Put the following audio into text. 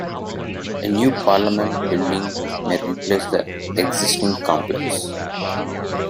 A new Parliament building may replace the existing complex.